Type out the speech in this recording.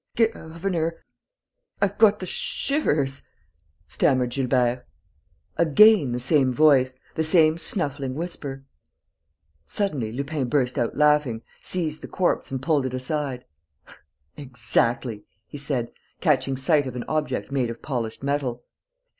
"Governor, I've got the shivers," stammered Gilbert. Again the same voice, the same snuffling whisper. Suddenly, Lupin burst out laughing, seized the corpse and pulled it aside: "Exactly!" he said, catching sight of an object made of polished metal.